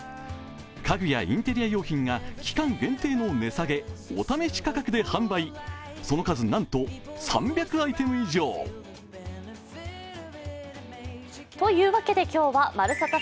家具やインテリア用品が期間限定の値下げお試し価格で販売、その数なんと３００アイテム以上。というわけで今日は「まるサタ」